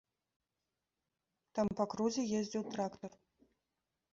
Там па крузе ездзіў трактар.